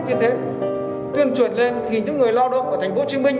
như thế tuyên truyền lên thì những người lo động của thành phố hồ chí minh